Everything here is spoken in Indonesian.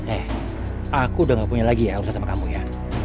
eh aku udah gak punya lagi ya urusan sama kamu ya